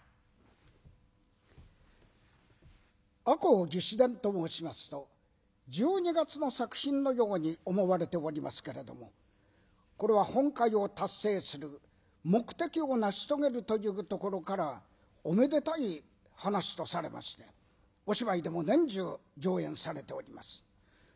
赤穂義士伝と申しますと１２月の作品のように思われておりますけれどもこれは本懐を達成する目的を成し遂げるというところからおめでたい噺とされましてお芝居でも年中上演されております。